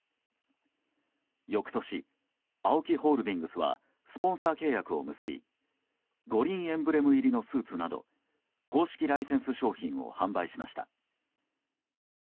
翌年ＡＯＫＩホールディングスはスポンサー契約を結び五輪エンブレム入りのスーツなど公式ライセンス商品を販売しました。